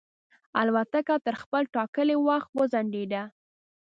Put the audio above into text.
الوتکه تر خپل ټاکلي وخت وځنډېده.